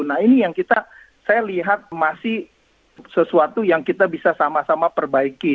nah ini yang kita saya lihat masih sesuatu yang kita bisa sama sama perbaiki